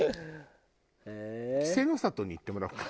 稀勢の里に行ってもらおうか。